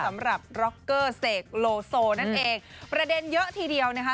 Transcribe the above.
สำหรับร็อกเกอร์เสกโลโซนั่นเองประเด็นเยอะทีเดียวนะคะ